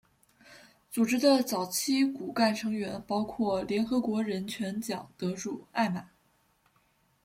组织的早期骨干成员包括联合国人权奖得主艾玛。